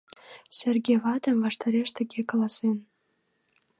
Серге ватын ваштареш тыге каласен: